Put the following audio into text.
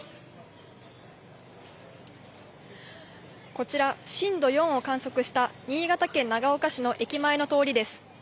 こちら、震度４を観測した新潟県長岡市の駅前の通りです。